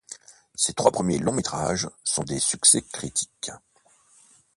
Ses trois premiers longs métrages sont des succès critiques.